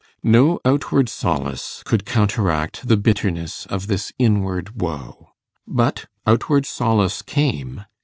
No outward solace could counteract the bitterness of this inward woe. But outward solace came.